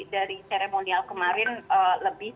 dari seremonial kemarin lebih